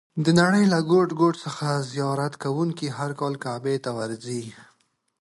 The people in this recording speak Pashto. د نړۍ له ګوټ ګوټ څخه زیارت کوونکي هر کال کعبې ته ورځي.